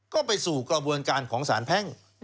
ก็ไปสู่กระบวนการของสารแพ่ง